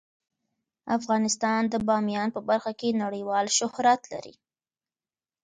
افغانستان د بامیان په برخه کې نړیوال شهرت لري.